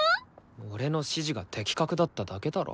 俺の指示が的確だっただけだろ。